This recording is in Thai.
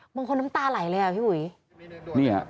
มีคนทั้งตาไหลเลยพี่หุย